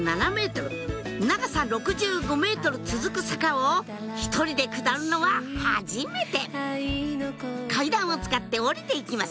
ｍ長さ６５ｍ続く坂を１人で下るのは初めて階段を使って下りていきます